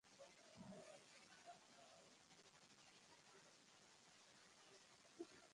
তবে আমরা বহুবার বাণিজ্য মন্ত্রণালয়কে একটি তথ্যভান্ডার করে দেওয়ার অনুরোধ করেছি।